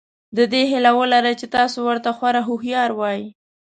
د دې هیله ولرئ چې تاسو ورته خورا هوښیار وئ.